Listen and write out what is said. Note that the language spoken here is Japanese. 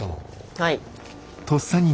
はい。